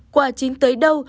quả chín tới đâu